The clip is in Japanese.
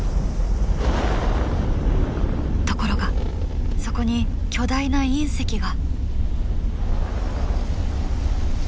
ところがそこに巨大な隕石が。